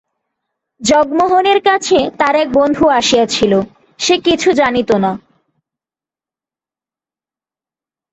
জগমোহনের কাছে তাঁর এক বন্ধু আসিয়াছিল, সে কিছু জানিত না।